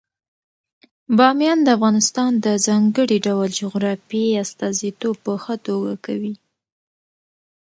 بامیان د افغانستان د ځانګړي ډول جغرافیې استازیتوب په ښه توګه کوي.